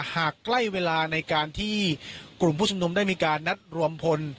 ใกล้เวลาในการที่กลุ่มผู้ชมนุมได้มีการนัดรวมพล